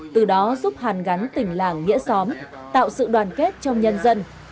từ đó giúp hàn gắn tỉnh làng nghĩa xóm tạo sự đoàn kết trong nhân dân